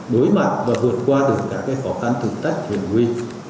đối mặt và vượt qua từ các khó khăn thử thách huyền huy